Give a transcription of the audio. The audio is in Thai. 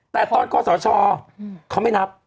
แต่ตอนคศเขาไม่นับ